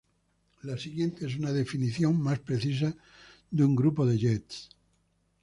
La siguiente es una definición más precisa de un grupo de jets.